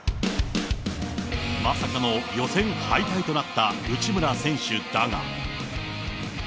まさかの予選敗退となった内村選手だが。